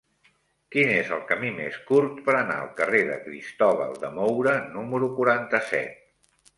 Quin és el camí més curt per anar al carrer de Cristóbal de Moura número quaranta-set?